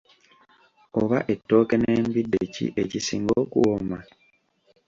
Oba ettooke n’embidde ki ekisinga okuwooma?